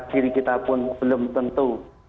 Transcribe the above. diri kita pun belum tentu